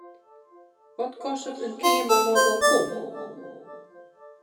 Wat kostet in keamer mei balkon?